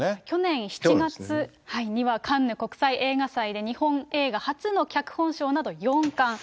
去年７月には、カンヌ国際映画祭で、日本映画初の脚本賞など４冠。